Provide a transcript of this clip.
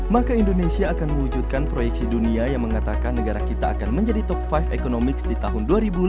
maka indonesia akan mewujudkan proyeksi dunia yang mengatakan negara kita akan menjadi top lima economics di tahun dua ribu lima puluh